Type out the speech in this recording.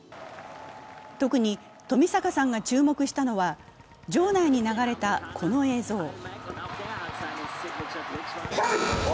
特に富坂さんが注目したのは、場内に流れたこの映像。